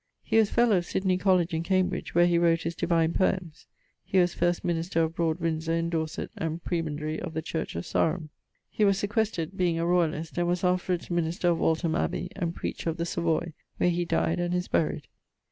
He was fellow of Sydney College in Cambridge, where he wrote his Divine Poemes. He was first minister of Broad Windsor in Dorset, and prebendary of the church of Sarum. He was sequestred, being a royalist, and was afterwards minister of Waltham Abbey, and preacher of the Savoy, where he died, and is buryed.